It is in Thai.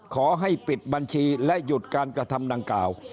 ขอให้ปิดบัญชีและหยุดการกระทำดังกล่าว